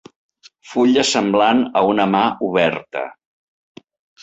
Fulla semblant a una mà oberta.